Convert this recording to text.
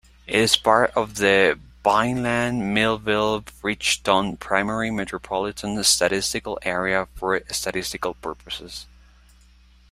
It is part of the Vineland-Millville-Bridgeton Primary Metropolitan Statistical Area for statistical purposes.